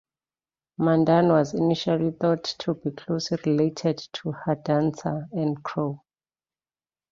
Mandan was initially thought to be closely related to Hidatsa and Crow.